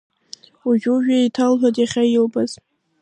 Уажәы-уажәы еиҭалҳәоит иахьа илбаз.